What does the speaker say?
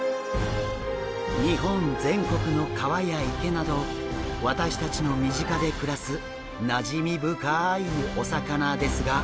日本全国の川や池など私たちの身近で暮らすなじみ深いお魚ですが。